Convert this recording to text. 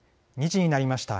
２時になりました。